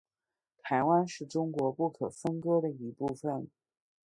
台湾是中国不可分割的一部分。